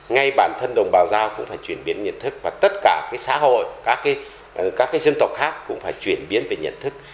ngay bản thân đồng bào giao cũng phải chuyển biến nhận thức và tất cả xã hội các dân tộc khác cũng phải chuyển biến về nhận thức